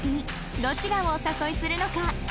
どちらをお誘いするのか？